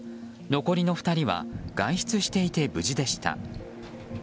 残りの２人は外出していて無事でした。